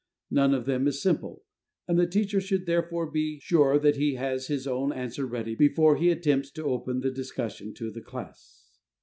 None of them is simple, and the teacher should therefore be sure that he has his own answers ready before he attempts to open the discussion to the class.